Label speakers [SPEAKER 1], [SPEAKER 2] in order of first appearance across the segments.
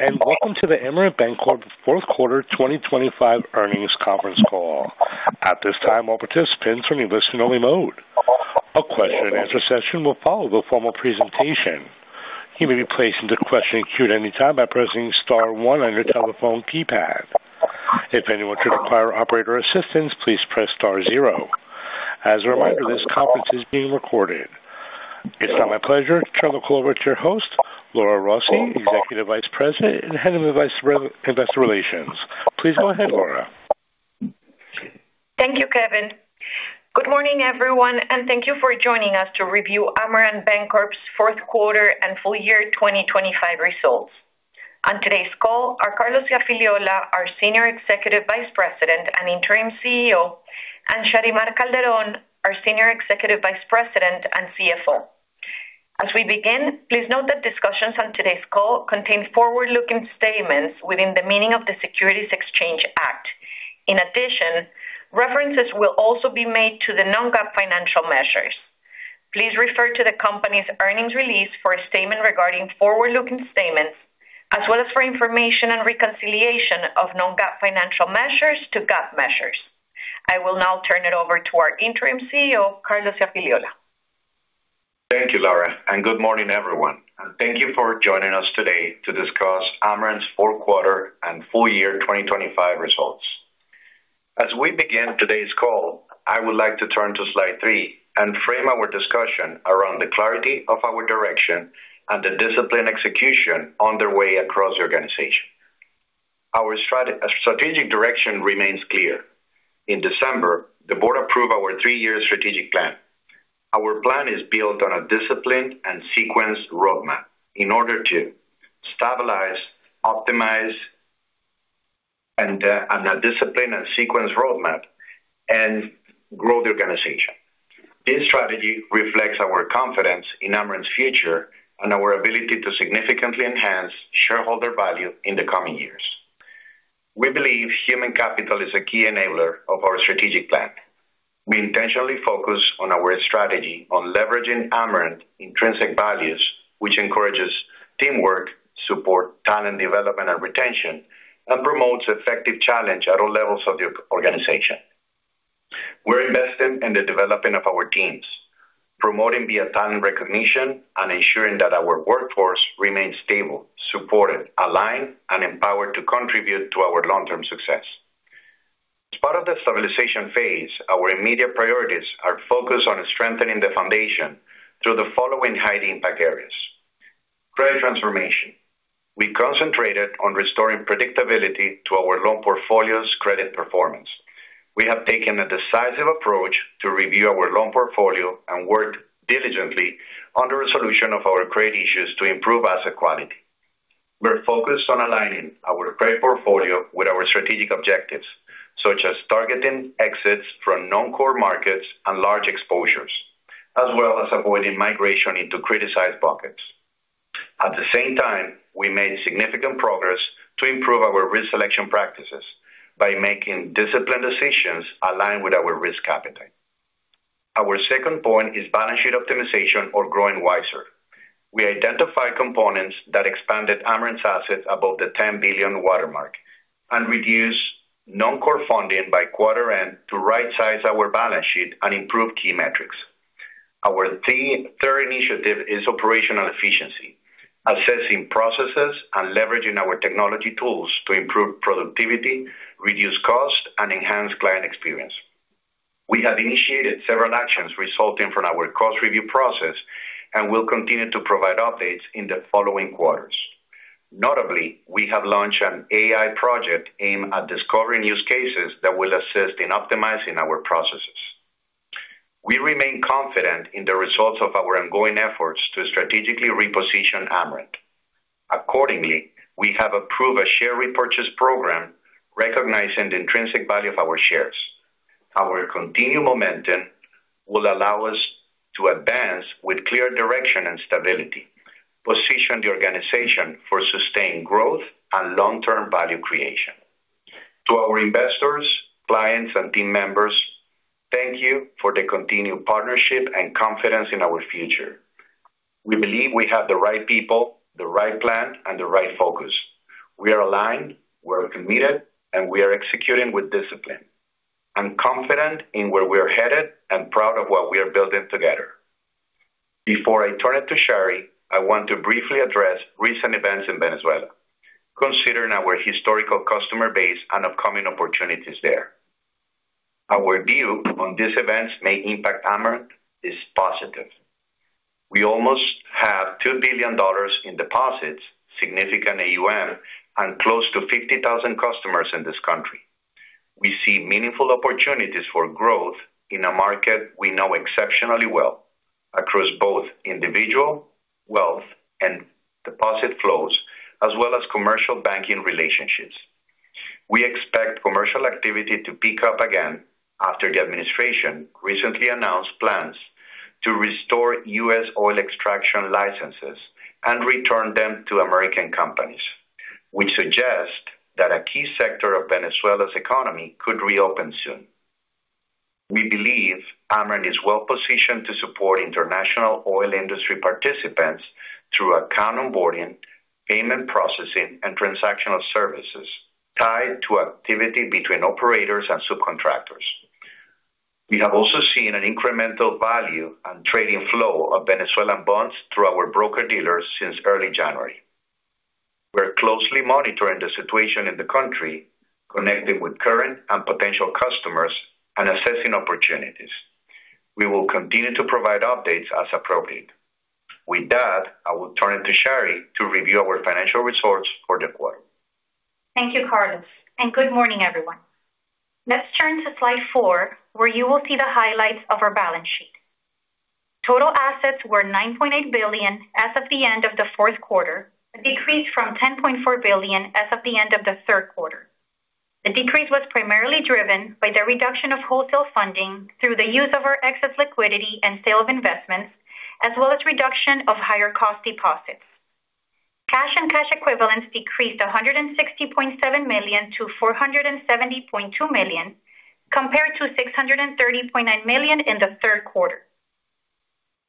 [SPEAKER 1] Welcome to the Amerant Bancorp's fourth quarter 2025 earnings conference call. At this time, all participants are in listen-only mode. A question-and-answer session will follow the formal presentation. You may be placed into a queue at any time by pressing star one on your telephone keypad. If anyone should require operator assistance, please press star zero. As a reminder, this conference is being recorded. It's now my pleasure to turn the call over to your host, Laura Rossi, Executive Vice President and Head of Investor Relations. Please go ahead, Laura.
[SPEAKER 2] Thank you, Kevin. Good morning, everyone, and thank you for joining us to review Amerant Bancorp's fourth quarter and full year 2025 results. On today's call are Carlos Iafigliola, our Senior Executive Vice President and Interim CEO, and Sharymar Calderón, our Senior Executive Vice President and CFO. As we begin, please note that discussions on today's call contain forward-looking statements within the meaning of the Securities Exchange Act. In addition, references will also be made to the non-GAAP financial measures. Please refer to the company's earnings release for a statement regarding forward-looking statements, as well as for information on reconciliation of non-GAAP financial measures to GAAP measures. I will now turn it over to our Interim CEO, Carlos Iafigliola.
[SPEAKER 3] Thank you, Laura, and good morning, everyone. Thank you for joining us today to discuss Amerant's fourth quarter and full year 2025 results. As we begin today's call, I would like to turn to slide 3 and frame our discussion around the clarity of our direction and the disciplined execution underway across the organization. Our strategic direction remains clear. In December, the board approved our three-year strategic plan. Our plan is built on a disciplined and sequenced roadmap in order to stabilize, optimize, and grow the organization. This strategy reflects our confidence in Amerant's future and our ability to significantly enhance shareholder value in the coming years. We believe human capital is a key enabler of our strategic plan. We intentionally focus on our strategy on leveraging Amerant's intrinsic values, which encourages teamwork, support, talent development, and retention, and promotes effective challenge at all levels of the organization. We're investing in the development of our teams, promoting via talent recognition and ensuring that our workforce remains stable, supported, aligned, and empowered to contribute to our long-term success. As part of the stabilization phase, our immediate priorities are focused on strengthening the foundation through the following high-impact areas: credit transformation. We concentrated on restoring predictability to our loan portfolio's credit performance. We have taken a decisive approach to review our loan portfolio and worked diligently on the resolution of our credit issues to improve asset quality. We're focused on aligning our credit portfolio with our strategic objectives, such as targeting exits from non-core markets and large exposures, as well as avoiding migration into criticized buckets. At the same time, we made significant progress to improve our risk selection practices by making disciplined decisions aligned with our risk appetite. Our second point is balance sheet optimization or growing wiser. We identified components that expanded Amerant's assets above the $10 billion watermark and reduced non-core funding by quarter end to right-size our balance sheet and improve key metrics. Our third initiative is operational efficiency, assessing processes and leveraging our technology tools to improve productivity, reduce cost, and enhance client experience. We have initiated several actions resulting from our cost review process and will continue to provide updates in the following quarters. Notably, we have launched an AI project aimed at discovering use cases that will assist in optimizing our processes. We remain confident in the results of our ongoing efforts to strategically reposition Amerant. Accordingly, we have approved a share repurchase program recognizing the intrinsic value of our shares. Our continued momentum will allow us to advance with clear direction and stability, positioning the organization for sustained growth and long-term value creation. To our investors, clients, and team members, thank you for the continued partnership and confidence in our future. We believe we have the right people, the right plan, and the right focus. We are aligned, we are committed, and we are executing with discipline. I'm confident in where we are headed and proud of what we are building together. Before I turn it to Shary, I want to briefly address recent events in Venezuela, considering our historical customer base and upcoming opportunities there. Our view on these events may impact Amerant is positive. We almost have $2 billion in deposits, significant AUM, and close to 50,000 customers in this country. We see meaningful opportunities for growth in a market we know exceptionally well across both individual wealth and deposit flows, as well as commercial banking relationships. We expect commercial activity to pick up again after the administration recently announced plans to restore U.S. oil extraction licenses and return them to American companies, which suggests that a key sector of Venezuela's economy could reopen soon. We believe Amerant is well positioned to support international oil industry participants through account onboarding, payment processing, and transactional services tied to activity between operators and subcontractors. We have also seen an incremental value and trading flow of Venezuelan bonds through our broker-dealers since early January. We're closely monitoring the situation in the country, connecting with current and potential customers and assessing opportunities. We will continue to provide updates as appropriate. With that, I will turn it to Shary to review our financial results for the quarter.
[SPEAKER 4] Thank you, Carlos. Good morning, everyone. Let's turn to slide 4, where you will see the highlights of our balance sheet. Total assets were $9.8 billion as of the end of the fourth quarter, a decrease from $10.4 billion as of the end of the third quarter. The decrease was primarily driven by the reduction of wholesale funding through the use of our excess liquidity and sale of investments, as well as reduction of higher cost deposits. Cash and cash equivalents decreased $160.7 million to $470.2 million, compared to $630.9 million in the third quarter.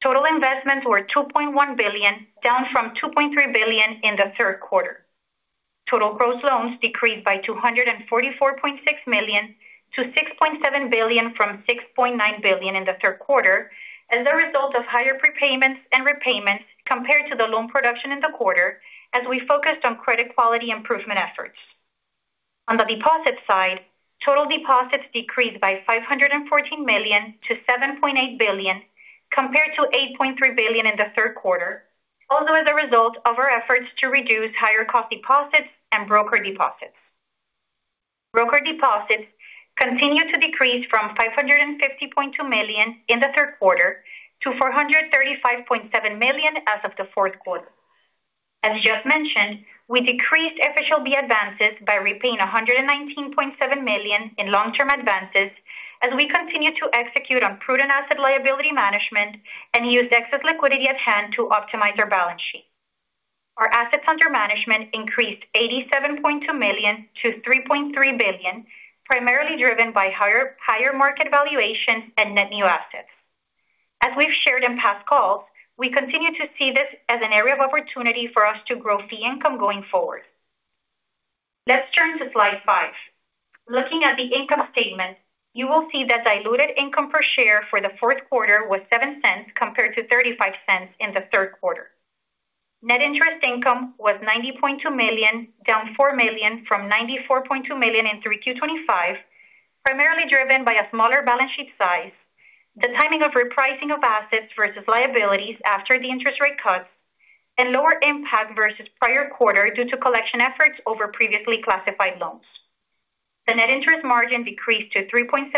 [SPEAKER 4] Total investments were $2.1 billion, down from $2.3 billion in the third quarter. Total gross loans decreased by $244.6 million to $6.7 billion from $6.9 billion in the third quarter as a result of higher prepayments and repayments compared to the loan production in the quarter, as we focused on credit quality improvement efforts. On the deposit side, total deposits decreased by $514 million to $7.8 billion, compared to $8.3 billion in the third quarter, also as a result of our efforts to reduce higher cost deposits and broker deposits. Broker deposits continued to decrease from $550.2 million in the third quarter to $435.7 million as of the fourth quarter. As just mentioned, we decreased FHLB advances by repaying $119.7 million in long-term advances as we continue to execute on prudent asset liability management and use excess liquidity at hand to optimize our balance sheet. Our assets under management increased $87.2 million to $3.3 billion, primarily driven by higher market valuations and net new assets. As we've shared in past calls, we continue to see this as an area of opportunity for us to grow fee income going forward. Let's turn to slide 5. Looking at the income statement, you will see that diluted income per share for the fourth quarter was $0.07 compared to $0.35 in the third quarter. Net interest income was $90.2 million, down $4 million from $94.2 million in 3Q 2025, primarily driven by a smaller balance sheet size, the timing of repricing of assets versus liabilities after the interest rate cuts, and lower impact versus prior quarter due to collection efforts over previously classified loans. The net interest margin decreased to 3.78%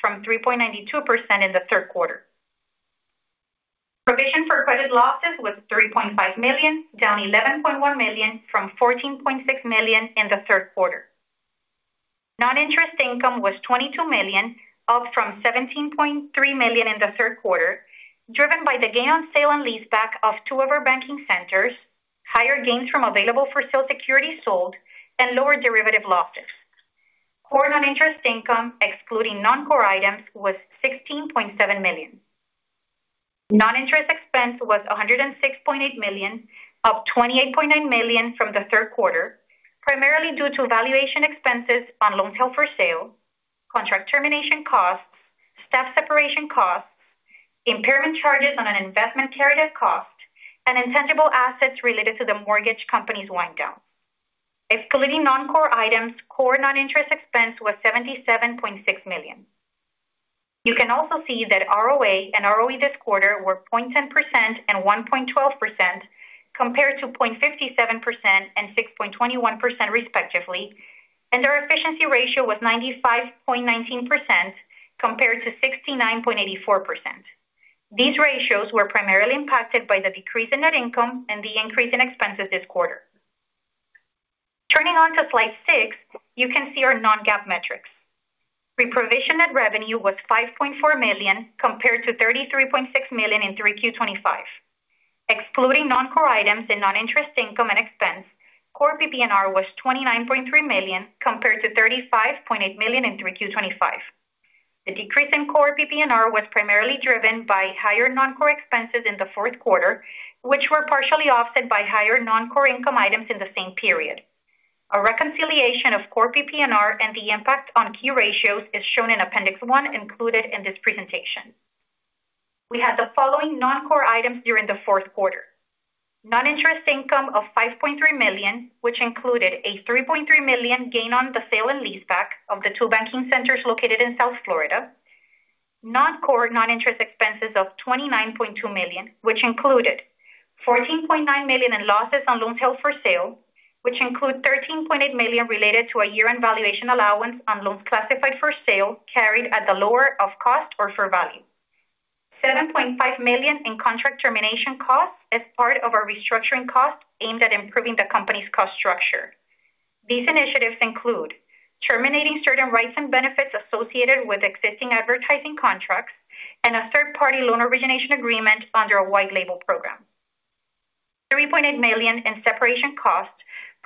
[SPEAKER 4] from 3.92% in the third quarter. Provision for credit losses was $3.5 million, down $11.1 million from $14.6 million in the third quarter. Non-interest income was $22 million, up from $17.3 million in the third quarter, driven by the gain on sale and leaseback of two of our banking centers, higher gains from available for sale securities sold, and lower derivative losses. Core non-interest income, excluding non-core items, was $16.7 million. Non-interest expense was $106.8 million, up $28.9 million from the third quarter, primarily due to valuation expenses on loan held for sale, contract termination costs, staff separation costs, impairment charges on an investment carried at cost, and intangible assets related to the mortgage company's wind down. Excluding non-core items, core non-interest expense was $77.6 million. You can also see that ROA and ROE this quarter were 0.10% and 1.12% compared to 0.57% and 6.21%, respectively, and our efficiency ratio was 95.19% compared to 69.84%. These ratios were primarily impacted by the decrease in net income and the increase in expenses this quarter. Turning now to slide 6, you can see our non-GAAP metrics. Pre-provision net revenue was $5.4 million compared to $33.6 million in 3Q 2025. Excluding non-core items and non-interest income and expense, core PPNR was $29.3 million compared to $35.8 million in 3Q 2025. The decrease in core PPNR was primarily driven by higher non-core expenses in the fourth quarter, which were partially offset by higher non-core income items in the same period. A reconciliation of core PPNR and the impact on key ratios is shown in Appendix 1, included in this presentation. We had the following non-core items during the fourth quarter: non-interest income of $5.3 million, which included a $3.3 million gain on the sale and leaseback of the two banking centers located in South Florida. Non-core non-interest expenses of $29.2 million, which included $14.9 million in losses on loans held for sale, which include $13.8 million related to a year-end valuation allowance on loans classified for sale carried at the lower of cost or fair value. $7.5 million in contract termination costs as part of our restructuring costs aimed at improving the company's cost structure. These initiatives include terminating certain rights and benefits associated with existing advertising contracts and a third-party loan origination agreement under a white label program. $3.8 million in separation costs,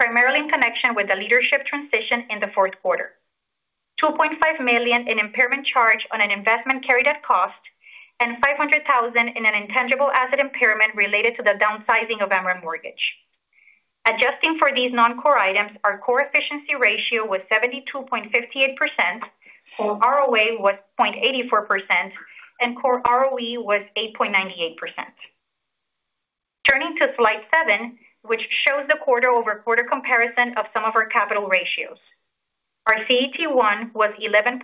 [SPEAKER 4] primarily in connection with the leadership transition in the fourth quarter. $2.5 million in impairment charge on an investment carried at cost. And $500,000 in an intangible asset impairment related to the downsizing of Amerant Mortgage. Adjusting for these non-core items, our core efficiency ratio was 72.58%, core ROA was 0.84%, and core ROE was 8.98%. Turning to slide 7, which shows the quarter-over-quarter comparison of some of our capital ratios. Our CET1 was 11.8%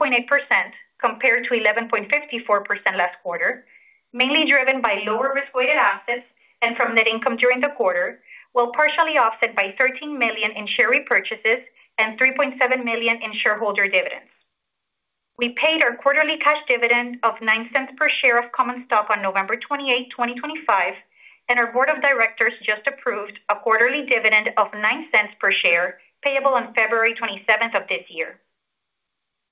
[SPEAKER 4] compared to 11.54% last quarter, mainly driven by lower risk-weighted assets and from net income during the quarter, while partially offset by $13 million in share repurchases and $3.7 million in shareholder dividends. We paid our quarterly cash dividend of $0.09 per share of common stock on November 28, 2025, and our Board of Directors just approved a quarterly dividend of $0.09 per share payable on February 27 of this year.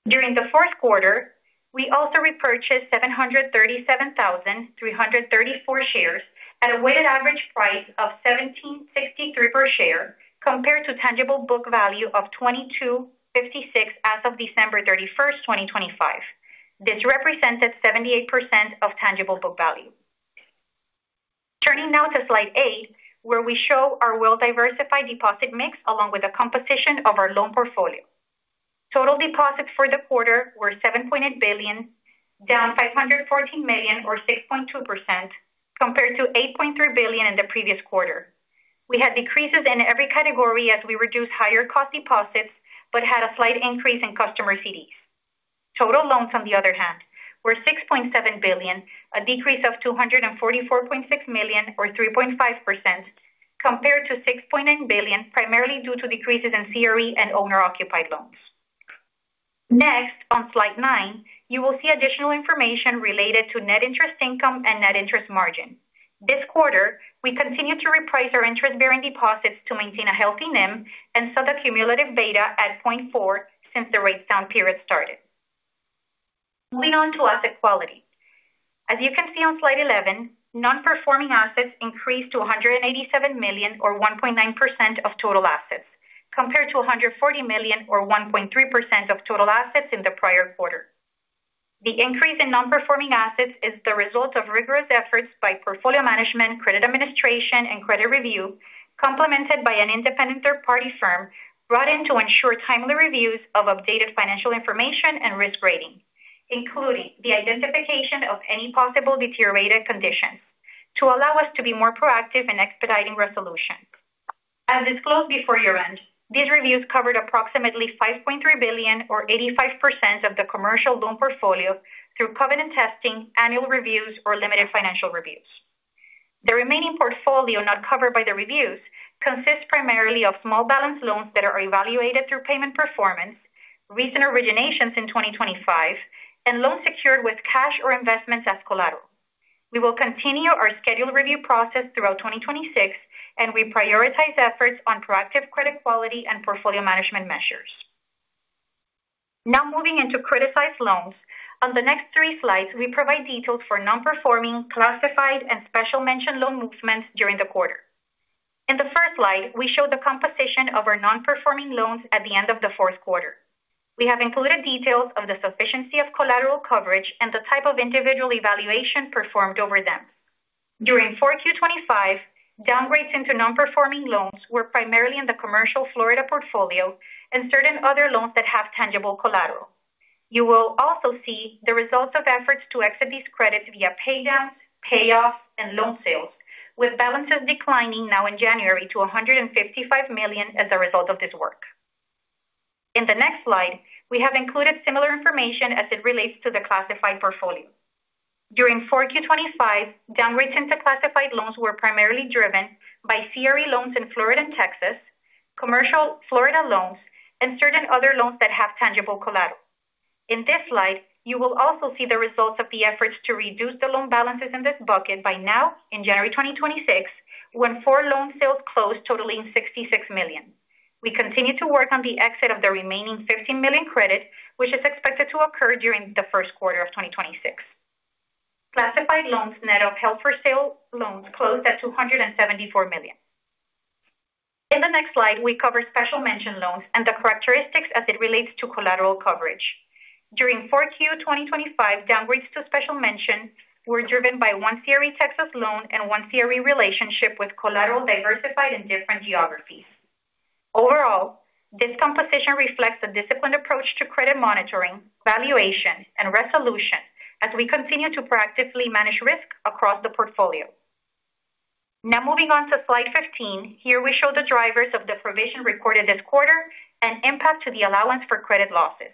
[SPEAKER 4] During the fourth quarter, we also repurchased 737,334 shares at a weighted average price of $17.63 per share compared to tangible book value of $22.56 as of December 31, 2025. This represented 78% of tangible book value. Turning now to slide 8, where we show our well-diversified deposit mix along with the composition of our loan portfolio. Total deposits for the quarter were $7.8 billion, down $514 million or 6.2%, compared to $8.3 billion in the previous quarter. We had decreases in every category as we reduced higher cost deposits, but had a slight increase in customer CDs. Total loans, on the other hand, were $6.7 billion, a decrease of $244.6 million or 3.5%, compared to $6.9 billion, primarily due to decreases in CRE and owner-occupied loans. Next, on slide 9, you will see additional information related to net interest income and net interest margin. This quarter, we continue to reprice our interest-bearing deposits to maintain a healthy NIM and set a cumulative beta at 0.4 since the rate down period started. Moving on to asset quality. As you can see on slide 11, non-performing assets increased to $187 million or 1.9% of total assets, compared to $140 million or 1.3% of total assets in the prior quarter. The increase in non-performing assets is the result of rigorous efforts by portfolio management, credit administration, and credit review, complemented by an independent third-party firm brought in to ensure timely reviews of updated financial information and risk rating, including the identification of any possible deteriorated conditions to allow us to be more proactive in expediting resolution. As disclosed before year-end, these reviews covered approximately $5.3 billion or 85% of the commercial loan portfolio through covenant testing, annual reviews, or limited financial reviews. The remaining portfolio not covered by the reviews consists primarily of small balance loans that are evaluated through payment performance, recent originations in 2025, and loans secured with cash or investments as collateral. We will continue our scheduled review process throughout 2026, and we prioritize efforts on proactive credit quality and portfolio management measures. Now moving into criticized loans, on the next three slides, we provide details for non-performing, classified, and special mention loan movements during the quarter. In the first slide, we show the composition of our non-performing loans at the end of the fourth quarter. We have included details of the sufficiency of collateral coverage and the type of individual evaluation performed over them. During 4Q 2025, downgrades into non-performing loans were primarily in the commercial Florida portfolio and certain other loans that have tangible collateral. You will also see the results of efforts to exit these credits via paydowns, payoffs, and loan sales, with balances declining now in January to $155 million as a result of this work. In the next slide, we have included similar information as it relates to the classified portfolio. During 4Q 2025, downgrades into classified loans were primarily driven by CRE loans in Florida and Texas, commercial Florida loans, and certain other loans that have tangible collateral. In this slide, you will also see the results of the efforts to reduce the loan balances in this bucket by now in January 2026, when four loan sales closed totaling $66 million. We continue to work on the exit of the remaining $15 million credit, which is expected to occur during the first quarter of 2026. Classified loans net of held for sale loans closed at $274 million. In the next slide, we cover special mention loans and the characteristics as it relates to collateral coverage. During 4Q 2025, downgrades to special mention were driven by one CRE Texas loan and one CRE relationship with collateral diversified in different geographies. Overall, this composition reflects a disciplined approach to credit monitoring, valuation, and resolution as we continue to proactively manage risk across the portfolio. Now moving on to slide 15, here we show the drivers of the provision recorded this quarter and impact to the allowance for credit losses.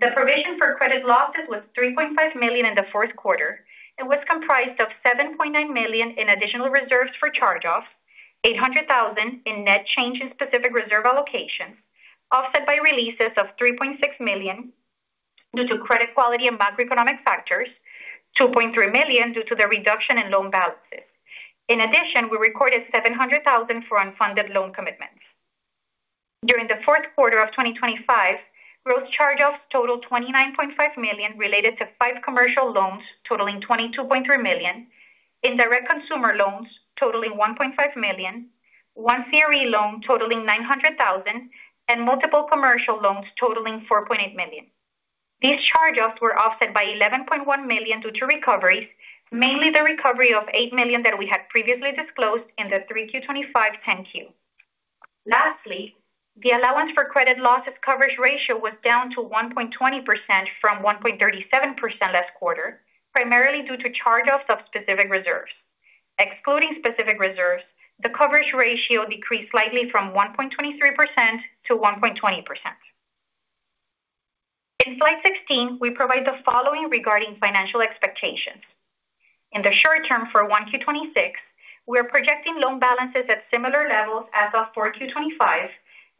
[SPEAKER 4] The provision for credit losses was $3.5 million in the fourth quarter. It was comprised of $7.9 million in additional reserves for charge-off, $800,000 in net change in specific reserve allocations, offset by releases of $3.6 million due to credit quality and macroeconomic factors, $2.3 million due to the reduction in loan balances. In addition, we recorded $700,000 for unfunded loan commitments. During the fourth quarter of 2025, gross charge-offs totaled $29.5 million related to five commercial loans totaling $22.3 million, indirect consumer loans totaling $1.5 million, one CRE loan totaling $900,000, and multiple commercial loans totaling $4.8 million. These charge-offs were offset by $11.1 million due to recoveries, mainly the recovery of $8 million that we had previously disclosed in the 3Q 2025 10-Q. Lastly, the allowance for credit losses coverage ratio was down to 1.20% from 1.37% last quarter, primarily due to charge-offs of specific reserves. Excluding specific reserves, the coverage ratio decreased slightly from 1.23% to 1.20%. In slide 16, we provide the following regarding financial expectations. In the short term for 1Q 2026, we are projecting loan balances at similar levels as of 4Q 2025,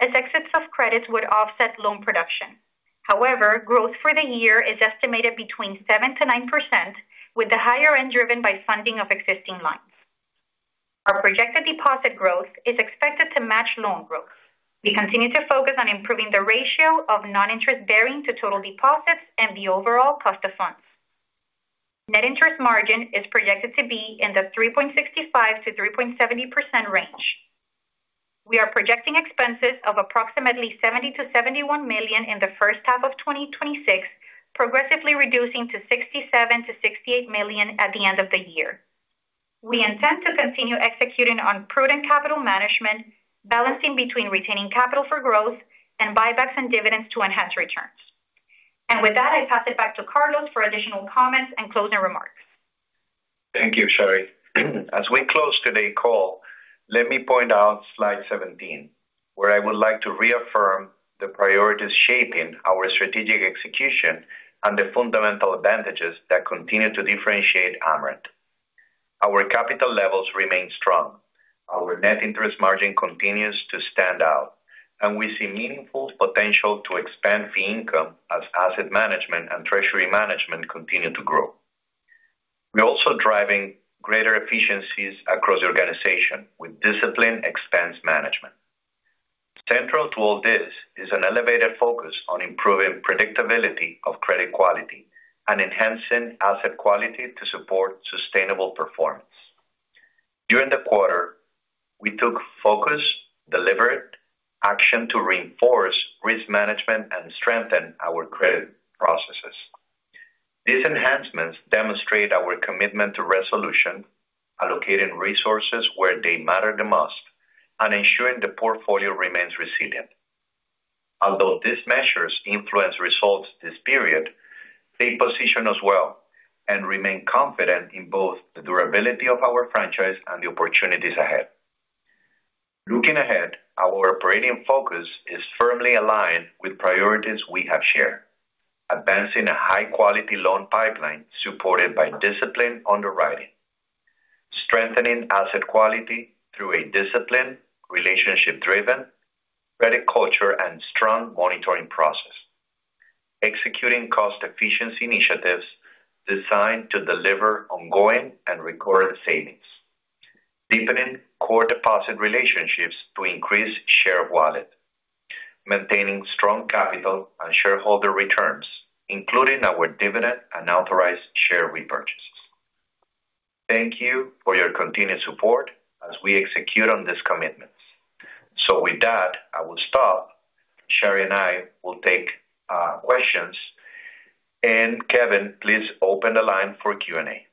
[SPEAKER 4] as exits of credits would offset loan production. However, growth for the year is estimated between 7%-9%, with the higher end driven by funding of existing lines. Our projected deposit growth is expected to match loan growth. We continue to focus on improving the ratio of non-interest bearing to total deposits and the overall cost of funds. Net interest margin is projected to be in the 3.65%-3.70% range. We are projecting expenses of approximately $70 million-$71 million in the first half of 2026, progressively reducing to $67 million-$68 million at the end of the year. We intend to continue executing on prudent capital management, balancing between retaining capital for growth and buybacks and dividends to enhance returns. With that, I pass it back to Carlos for additional comments and closing remarks.
[SPEAKER 3] Thank you, Shary. As we close today's call, let me point out slide 17, where I would like to reaffirm the priorities shaping our strategic execution and the fundamental advantages that continue to differentiate Amerant. Our capital levels remain strong, our net interest margin continues to stand out, and we see meaningful potential to expand fee income as asset management and treasury management continue to grow. We are also driving greater efficiencies across the organization with disciplined expense management. Central to all this is an elevated focus on improving predictability of credit quality and enhancing asset quality to support sustainable performance. During the quarter, we took focused, deliberate action to reinforce risk management and strengthen our credit processes. These enhancements demonstrate our commitment to resolution, allocating resources where they matter the most, and ensuring the portfolio remains resilient. Although these measures influence results this period, they position us well and remain confident in both the durability of our franchise and the opportunities ahead. Looking ahead, our operating focus is firmly aligned with priorities we have shared, advancing a high-quality loan pipeline supported by disciplined underwriting, strengthening asset quality through a disciplined, relationship-driven credit culture and strong monitoring process, executing cost-efficiency initiatives designed to deliver ongoing and recurring savings, deepening core deposit relationships to increase share of wallet, maintaining strong capital and shareholder returns, including our dividend and authorized share repurchases. Thank you for your continued support as we execute on these commitments. So with that, I will stop. Shary and I will take questions. And Kevin, please open the line for Q&A.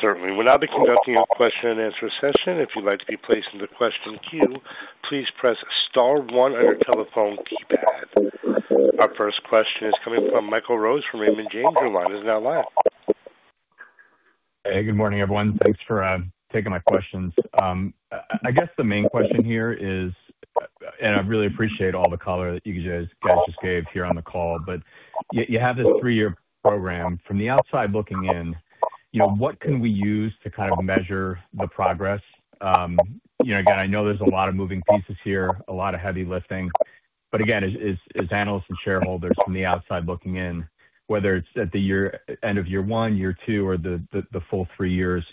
[SPEAKER 1] Certainly. We'll now be conducting a question-and-answer session. If you'd like to be placed in the question queue, please press star one on your telephone keypad. Our first question is coming from Michael Rose from Raymond James. Your line is now live.
[SPEAKER 5] Hey, good morning, everyone. Thanks for taking my questions. I guess the main question here is, and I really appreciate all the color that you guys just gave here on the call, but you have this three-year program. From the outside looking in, what can we use to kind of measure the progress? Again, I know there's a lot of moving pieces here, a lot of heavy lifting, but again, as analysts and shareholders from the outside looking in, whether it's at the end of year one, year two, or the full three years,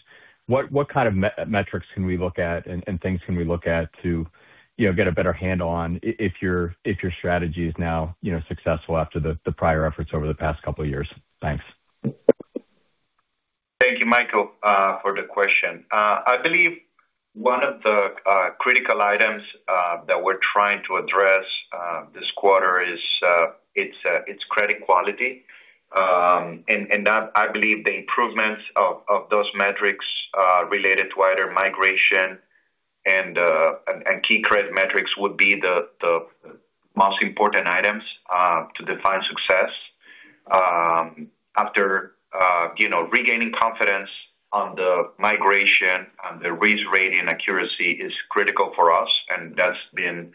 [SPEAKER 5] what kind of metrics can we look at and things can we look at to get a better handle on if your strategy is now successful after the prior efforts over the past couple of years? Thanks.
[SPEAKER 3] Thank you, Michael, for the question. I believe one of the critical items that we're trying to address this quarter is its credit quality. I believe the improvements of those metrics related to wider migration and key credit metrics would be the most important items to define success. After regaining confidence on the migration and the re-rating, accuracy is critical for us, and that's been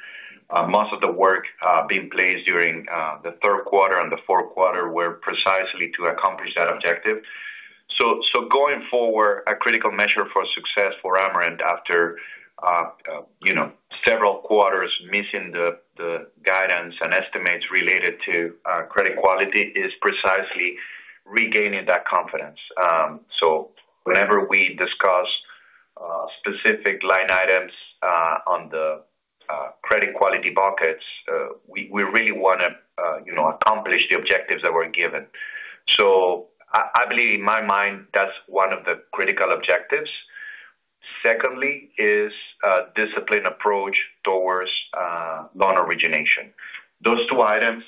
[SPEAKER 3] most of the work being placed during the third quarter and the fourth quarter were precisely to accomplish that objective. So going forward, a critical measure for success for Amerant after several quarters missing the guidance and estimates related to credit quality is precisely regaining that confidence. So whenever we discuss specific line items on the credit quality buckets, we really want to accomplish the objectives that were given. So I believe in my mind, that's one of the critical objectives. Secondly is a disciplined approach towards loan origination. Those two items,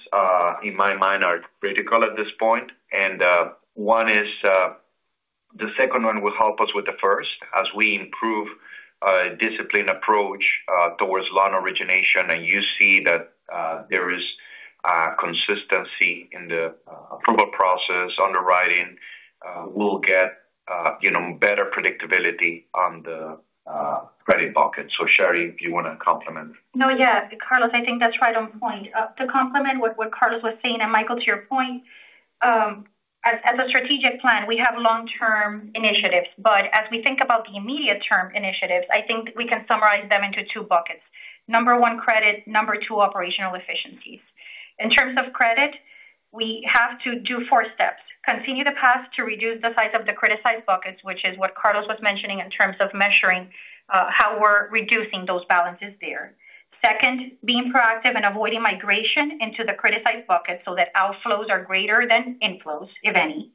[SPEAKER 3] in my mind, are critical at this point. And one is the second one will help us with the first as we improve a disciplined approach towards loan origination, and you see that there is consistency in the approval process, underwriting. We'll get better predictability on the credit bucket. So Shary, if you want to complement.
[SPEAKER 4] No, yeah. Carlos, I think that's right on point. To complement what Carlos was saying and Michael, to your point, as a strategic plan, we have long-term initiatives. But as we think about the immediate-term initiatives, I think we can summarize them into two buckets. Number 1, credit. Number 2, operational efficiencies. In terms of credit, we have to do four steps: continue the path to reduce the size of the criticized buckets, which is what Carlos was mentioning in terms of measuring how we're reducing those balances there. Second, being proactive and avoiding migration into the criticized buckets so that outflows are greater than inflows, if any.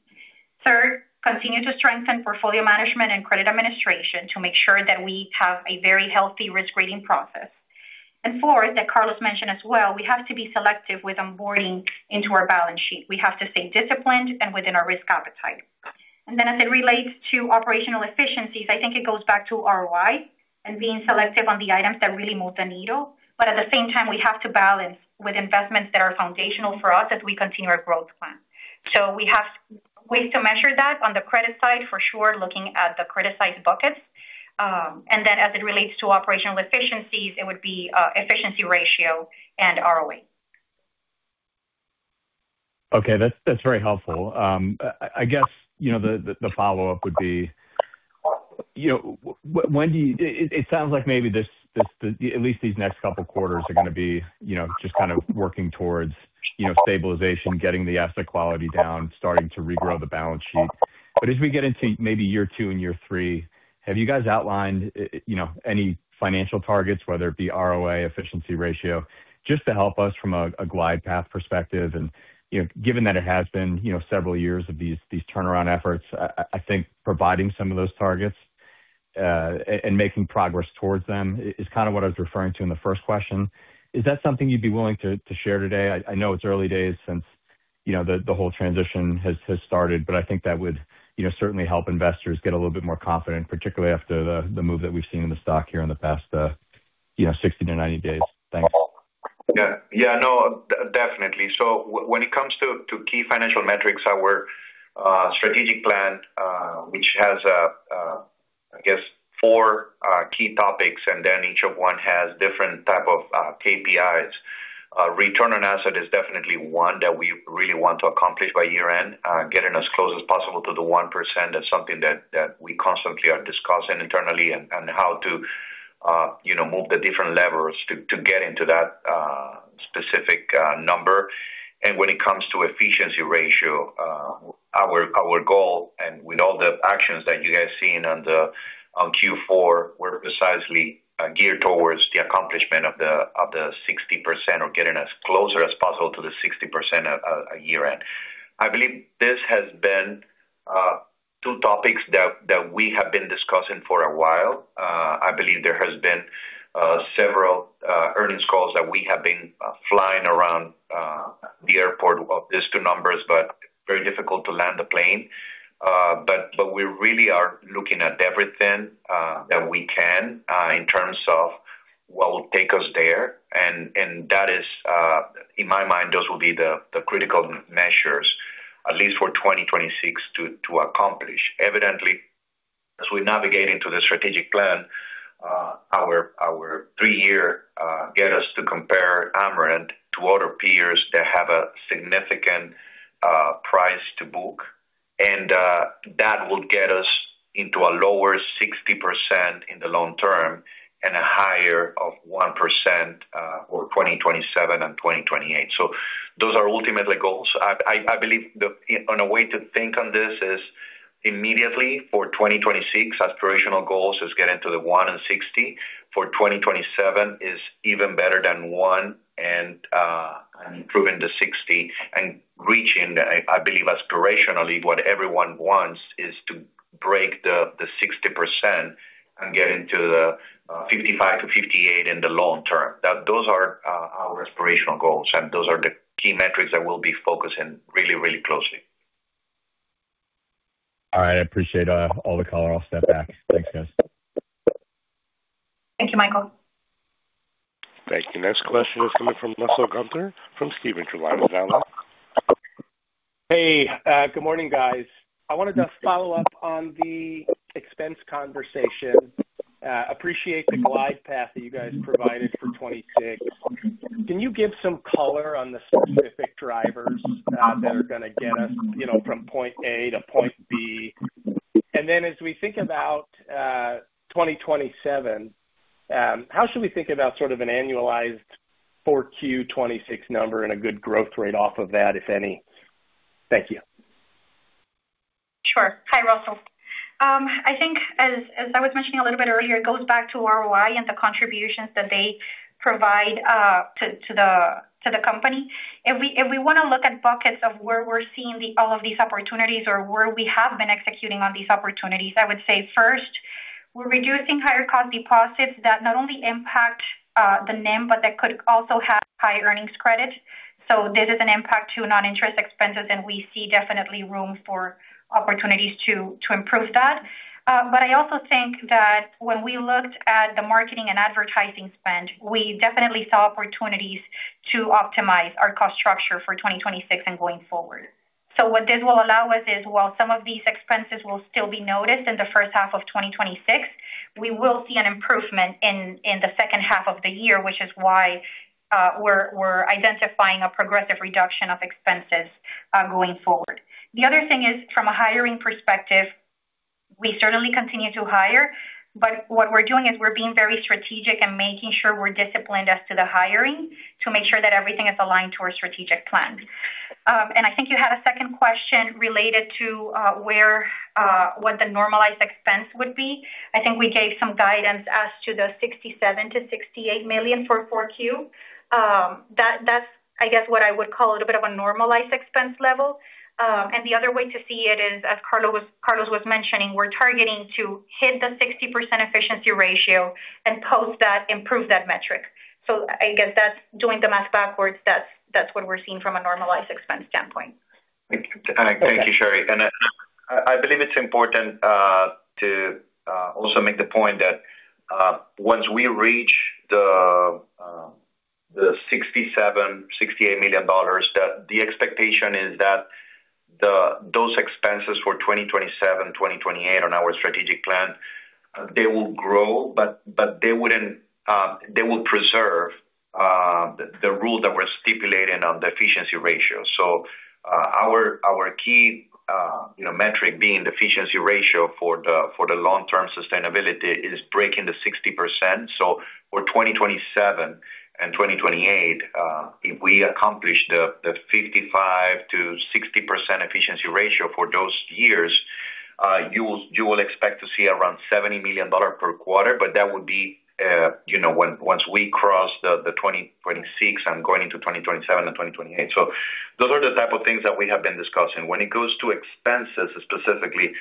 [SPEAKER 4] Third, continue to strengthen portfolio management and credit administration to make sure that we have a very healthy risk-rating process. And fourth, that Carlos mentioned as well, we have to be selective with onboarding into our balance sheet. We have to stay disciplined and within our risk appetite. And then as it relates to operational efficiencies, I think it goes back to ROI and being selective on the items that really move the needle. But at the same time, we have to balance with investments that are foundational for us as we continue our growth plan. So we have ways to measure that on the credit side, for sure, looking at the criticized buckets. And then as it relates to operational efficiencies, it would be efficiency ratio and ROI.
[SPEAKER 5] Okay.That's very helpful. I guess the follow-up would be, when do you, it sounds like maybe at least these next couple of quarters are going to be just kind of working towards stabilization, getting the asset quality down, starting to regrow the balance sheet. But as we get into maybe year two and year three, have you guys outlined any financial targets, whether it be ROI, efficiency ratio, just to help us from a glide path perspective? And given that it has been several years of these turnaround efforts, I think providing some of those targets and making progress towards them is kind of what I was referring to in the first question. Is that something you'd be willing to share today? I know it's early days since the whole transition has started, but I think that would certainly help investors get a little bit more confident, particularly after the move that we've seen in the stock here in the past 60-90 days. Thanks.
[SPEAKER 3] Yeah. Yeah. No, definitely. So when it comes to key financial metrics, our strategic plan, which has, I guess, four key topics, and then each one has different type of KPIs. Return on Assets is definitely one that we really want to accomplish by year-end, getting as close as possible to the 1%. That's something that we constantly are discussing internally and how to move the different levers to get into that specific number. When it comes to efficiency ratio, our goal, and with all the actions that you guys seen on Q4, were precisely geared towards the accomplishment of the 60% or getting as closer as possible to the 60% at year-end. I believe this has been two topics that we have been discussing for a while. I believe there have been several earnings calls that we have been flying around the airport of these two numbers, but very difficult to land the plane. We really are looking at everything that we can in terms of what will take us there. That is, in my mind, those will be the critical measures, at least for 2026 to accomplish. Evidently, as we navigate into the strategic plan, our three-year get us to compare Amerant to other peers that have a significant price-to-book. That will get us into a lower 60% in the long term and a higher of 1% for 2027 and 2028. Those are ultimate goals. I believe one way to think on this is immediately for 2026, aspirational goals is getting to the 1% and 60%. For 2027, it's even better than 1 and improving the 60. And reaching, I believe, aspirationally, what everyone wants is to break the 60% and get into the 55%-58% in the long term. Those are our aspirational goals, and those are the key metrics that we'll be focusing really, really closely.
[SPEAKER 5] All right. I appreciate all the color. I'll step back. Thanks, guys.
[SPEAKER 4] Thank you, Michael.
[SPEAKER 1] Thank you. Next question is coming from Russell Gunther from Stephens Inc.
[SPEAKER 6] Hey, good morning, guys. I wanted to follow up on the expense conversation. appreciate the glide path that you guys provided for 2026. Can you give some color on the specific drivers that are going to get us from point A to point B? Then as we think about 2027, how should we think about sort of an annualized 4Q 2026 number and a good growth rate off of that, if any? Thank you.
[SPEAKER 4] Sure. Hi, Russell. I think, as I was mentioning a little bit earlier, it goes back to ROI and the contributions that they provide to the company. If we want to look at buckets of where we're seeing all of these opportunities or where we have been executing on these opportunities, I would say first, we're reducing higher cost deposits that not only impact the NIM, but that could also have high earnings credit. So this is an impact to non-interest expenses, and we see definitely room for opportunities to improve that. But I also think that when we looked at the marketing and advertising spend, we definitely saw opportunities to optimize our cost structure for 2026 and going forward. So what this will allow us is, while some of these expenses will still be noticed in the first half of 2026, we will see an improvement in the second half of the year, which is why we're identifying a progressive reduction of expenses going forward. The other thing is, from a hiring perspective, we certainly continue to hire, but what we're doing is we're being very strategic and making sure we're disciplined as to the hiring to make sure that everything is aligned to our strategic plan. And I think you had a second question related to what the normalized expense would be. I think we gave some guidance as to the $67 million-$68 million for 4Q. That's, I guess, what I would call a little bit of a normalized expense level. And the other way to see it is, as Carlos was mentioning, we're targeting to hit the 60% efficiency ratio and post that, improve that metric. So I guess that's doing the math backwards. That's what we're seeing from a normalized expense standpoint.
[SPEAKER 3] Thank you, Shary. And I believe it's important to also make the point that once we reach the $67 million-$68 million, that the expectation is that those expenses for 2027, 2028 on our strategic plan, they will grow, but they will preserve the rule that we're stipulating on the efficiency ratio. So our key metric being the efficiency ratio for the long-term sustainability is breaking the 60%. So for 2027 and 2028, if we accomplish the 55%-60% efficiency ratio for those years, you will expect to see around $70 million per quarter, but that would be once we cross the 2026 and going into 2027 and 2028. So those are the type of things that we have been discussing. When it goes to expenses specifically,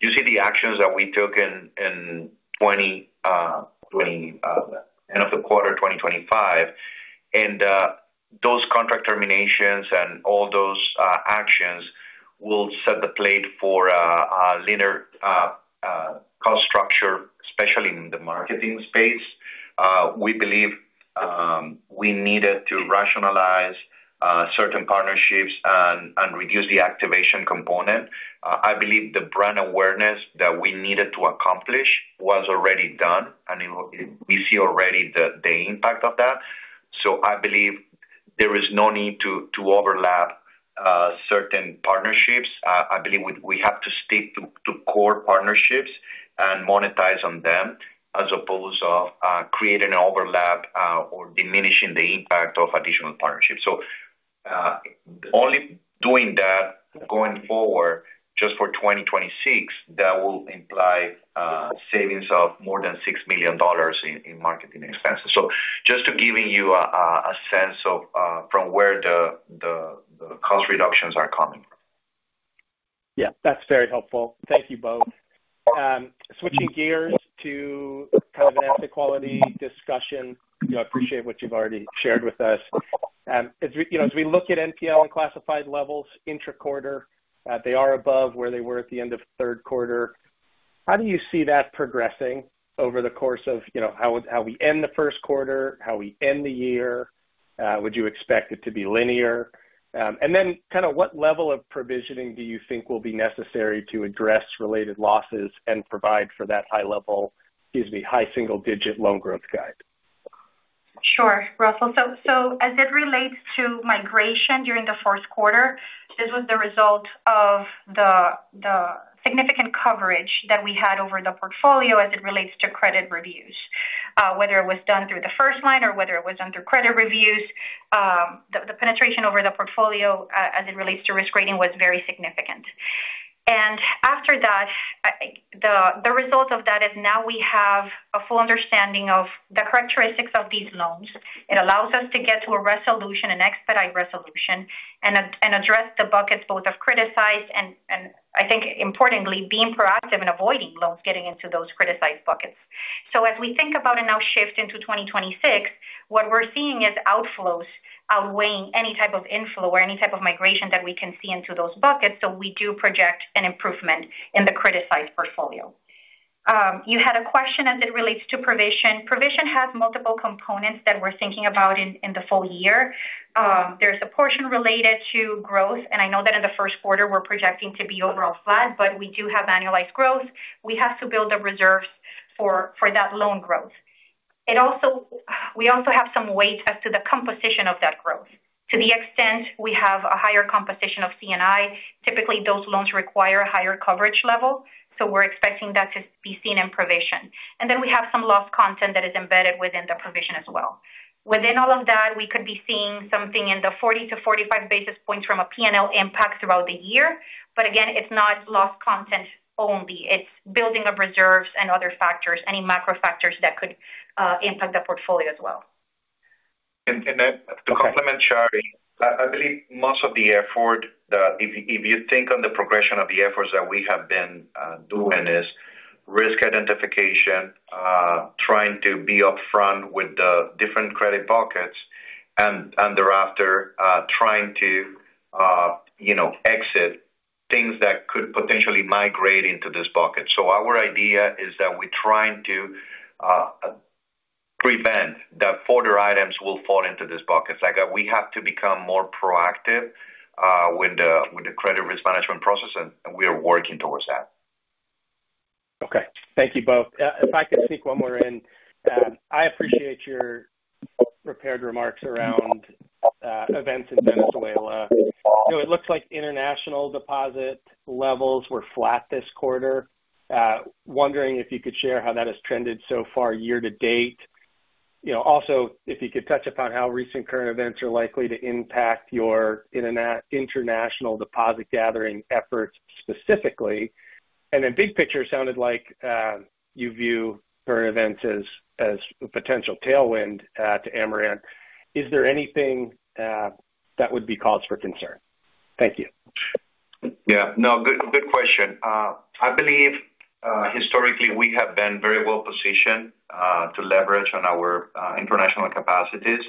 [SPEAKER 3] you see the actions that we took in end of the quarter 2025, and those contract terminations and all those actions will set the stage for a leaner cost structure, especially in the marketing space. We believe we needed to rationalize certain partnerships and reduce the activation component. I believe the brand awareness that we needed to accomplish was already done, and we see already the impact of that. So I believe there is no need to overlap certain partnerships. I believe we have to stick to core partnerships and monetize on them as opposed to creating an overlap or diminishing the impact of additional partnerships. So only doing that going forward just for 2026, that will imply savings of more than $6 million in marketing expenses. So just to giving you a sense of from where the cost reductions are coming from.
[SPEAKER 6] Yeah. That's very helpful. Thank you both. Switching gears to kind of an asset quality discussion. I appreciate what you've already shared with us. As we look at NPL and classified levels intra-quarter, they are above where they were at the end of third quarter. How do you see that progressing over the course of how we end the first quarter, how we end the year? Would you expect it to be linear? And then kind of what level of provisioning do you think will be necessary to address related losses and provide for that high-level, excuse me, high single-digit loan growth guide?
[SPEAKER 4] Sure, Russell. So as it relates to migration during the fourth quarter, this was the result of the significant coverage that we had over the portfolio as it relates to credit reviews. Whether it was done through the first line or whether it was done through credit reviews, the penetration over the portfolio as it relates to risk rating was very significant. And after that, the result of that is now we have a full understanding of the characteristics of these loans. It allows us to get to a resolution, an expedite resolution, and address the buckets both of criticized and, I think, importantly, being proactive and avoiding loans getting into those criticized buckets. So as we think about a now shift into 2026, what we're seeing is outflows outweighing any type of inflow or any type of migration that we can see into those buckets. So we do project an improvement in the criticized portfolio. You had a question as it relates to provision. Provision has multiple components that we're thinking about in the full year. There's a portion related to growth, and I know that in the first quarter, we're projecting to be overall flat, but we do have annualized growth. We have to build the reserves for that loan growth. We also have some weight as to the composition of that growth. To the extent we have a higher composition of C&I, typically those loans require a higher coverage level. So we're expecting that to be seen in provision. Then we have some loss content that is embedded within the provision as well. Within all of that, we could be seeing something in the 40-45 basis points from a P&L impact throughout the year. But again, it's not loss content only. It's building of reserves and other factors, any macro factors that could impact the portfolio as well.
[SPEAKER 3] To complement, Shary, I believe much of the effort, if you think on the progression of the efforts that we have been doing, is risk identification, trying to be upfront with the different credit buckets, and thereafter trying to exit things that could potentially migrate into this bucket. So our idea is that we're trying to prevent that further items will fall into this bucket. We have to become more proactive with the credit risk management process, and we are working towards that.
[SPEAKER 6] Okay. Thank you both. If I could sneak one more in, I appreciate your prepared remarks around events in Venezuela. It looks like international deposit levels were flat this quarter. Wondering if you could share how that has trended so far year to date. Also, if you could touch upon how recent current events are likely to impact your international deposit gathering efforts specifically. And then big picture sounded like you view current events as a potential tailwind to Amerant. Is there anything that would be cause for concern? Thank you.
[SPEAKER 3] Yeah. No, good question. I believe historically we have been very well positioned to leverage on our international capacities.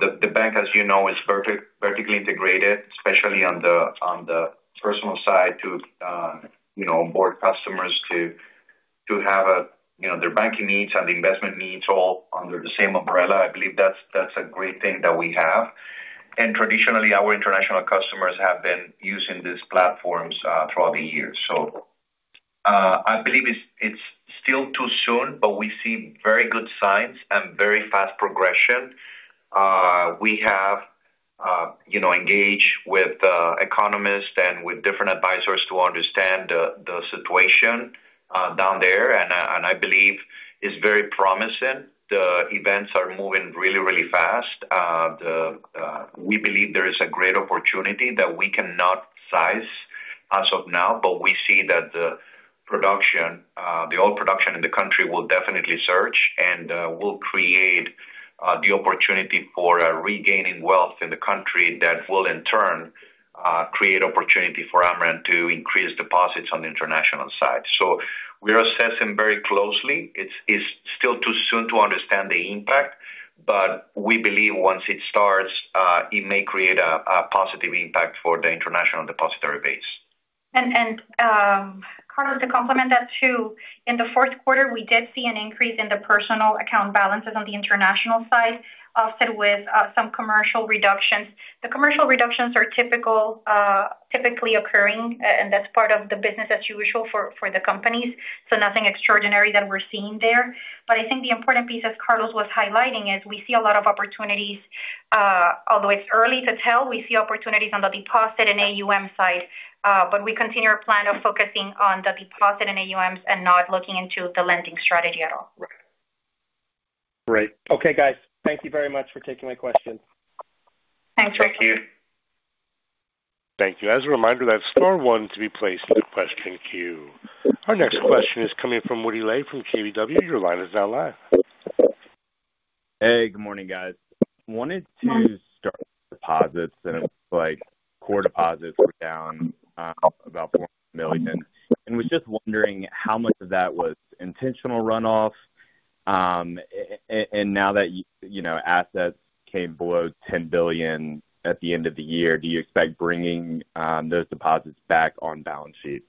[SPEAKER 3] The bank, as you know, is vertically integrated, especially on the personal side to onboard customers to have their banking needs and the investment needs all under the same umbrella. I believe that's a great thing that we have. Traditionally, our international customers have been using these platforms throughout the years. I believe it's still too soon, but we see very good signs and very fast progression. We have engaged with economists and with different advisors to understand the situation down there, and I believe it's very promising. The events are moving really, really fast. We believe there is a great opportunity that we cannot size as of now, but we see that the production, the oil production in the country will definitely surge, and will create the opportunity for regaining wealth in the country that will, in turn, create opportunity for Amerant to increase deposits on the international side. We are assessing very closely. It's still too soon to understand the impact, but we believe once it starts, it may create a positive impact for the international depository base.
[SPEAKER 4] And Carlos, to complement that too, in the fourth quarter, we did see an increase in the personal account balances on the international side, often with some commercial reductions. The commercial reductions are typically occurring, and that's part of the business as usual for the companies. So nothing extraordinary that we're seeing there. But I think the important piece, as Carlos was highlighting, is we see a lot of opportunities. Although it's early to tell, we see opportunities on the deposit and AUM side, but we continue our plan of focusing on the deposit and AUMs and not looking into the lending strategy at all.
[SPEAKER 6] Right. Great. Okay, guys. Thank you very much for taking my questions.
[SPEAKER 4] Thanks, Russ.
[SPEAKER 3] Thank you.
[SPEAKER 1] Thank you. As a reminder, that's star one to be placed in the question queue. Our next question is coming from Woody Lay from KBW. Your line is now live.
[SPEAKER 7] Hey, good morning, guys. Wanted to start. Deposits, and it looks like core deposits were down about $4 million. And was just wondering how much of that was intentional runoff. And now that assets came below $10 billion at the end of the year, do you expect bringing those deposits back on balance sheet?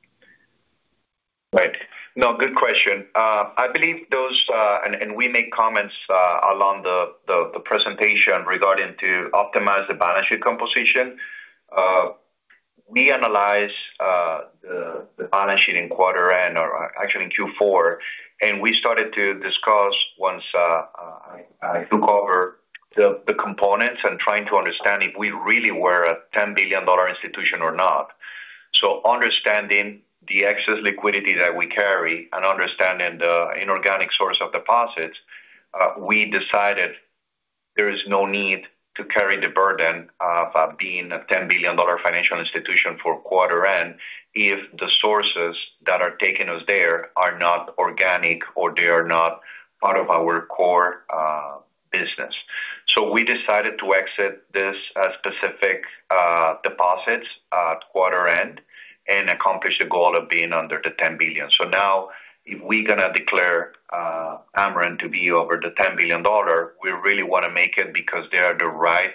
[SPEAKER 3] Right. No, good question. I believe those, and we made comments along the presentation regarding to optimize the balance sheet composition. We analyzed the balance sheet in quarter end, or actually in Q4, and we started to discuss once I took over the components and trying to understand if we really were a $10 billion institution or not. Understanding the excess liquidity that we carry and understanding the inorganic source of deposits, we decided there is no need to carry the burden of being a $10 billion financial institution for quarter end if the sources that are taking us there are not organic or they are not part of our core business. We decided to exit this specific deposits at quarter end and accomplish the goal of being under the $10 billion. Now, if we're going to declare Amerant to be over the $10 billion, we really want to make it because there are the right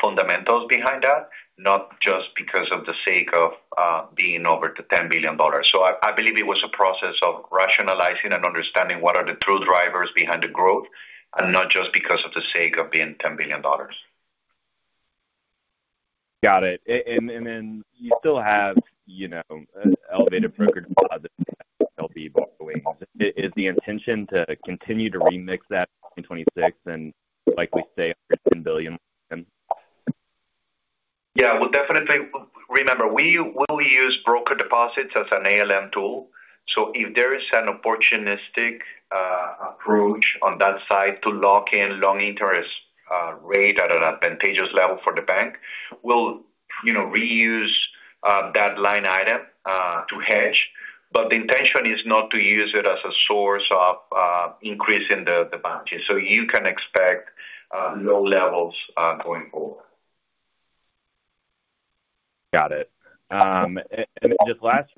[SPEAKER 3] fundamentals behind that, not just because of the sake of being over the $10 billion. I believe it was a process of rationalizing and understanding what are the true drivers behind the growth and not just because of the sake of being $10 billion.
[SPEAKER 7] Got it. And then you still have elevated brokerage deposits that will be borrowing. Is the intention to continue to remix that in 2026 and likely stay under $10 billion?
[SPEAKER 3] Yeah. We'll definitely remember, we will use broker deposits as an ALM tool. So if there is an opportunistic approach on that side to lock in long interest rate at an advantageous level for the bank, we'll reuse that line item to hedge. But the intention is not to use it as a source of increasing the balance sheet. So you can expect low levels going forward.
[SPEAKER 7] Got it. And just last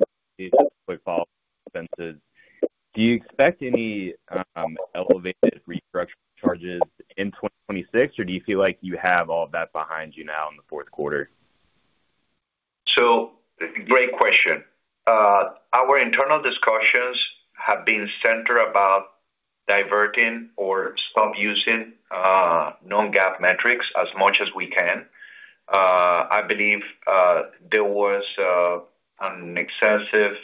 [SPEAKER 7] quick follow-up on expenses. Do you expect any elevated restructuring charges in 2026, or do you feel like you have all of that behind you now in the fourth quarter?
[SPEAKER 3] So great question. Our internal discussions have been centered about diverting or stop using non-GAAP metrics as much as we can. I believe there was an excessive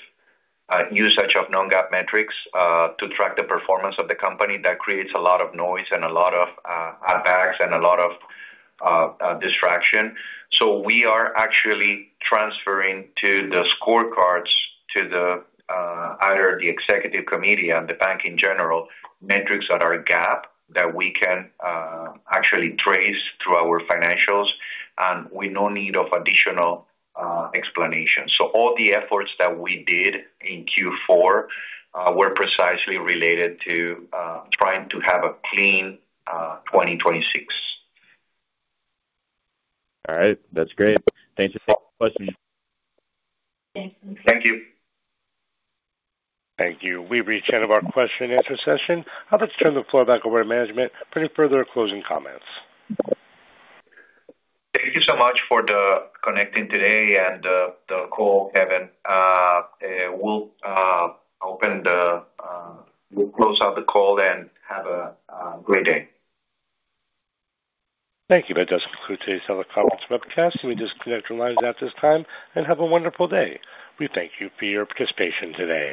[SPEAKER 3] usage of non-GAAP metrics to track the performance of the company. That creates a lot of noise and a lot of add-backs and a lot of distraction. So we are actually transferring to the scorecards to either the executive committee and the bank in general metrics that are GAAP that we can actually trace through our financials, and with no need of additional explanation. So all the efforts that we did in Q4 were precisely related to trying to have a clean 2026.
[SPEAKER 7] All right. That's great. Thanks for taking the question.
[SPEAKER 3] Thank you.
[SPEAKER 1] Thank you. We've reached the end of our question-and-answer session. I'll just turn the floor back over to management for any further closing comments.
[SPEAKER 3] Thank you so much for connecting today and the call, Kevin. We'll close out the call and have a great day.
[SPEAKER 1] Thank you, [Mr. Lafigliola], for the conference webcast. We just congratulate you at this time and have a wonderful day. We thank you for your participation today.